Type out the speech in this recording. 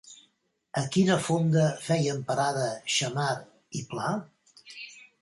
A quina fonda feien parada Xammar i Pla?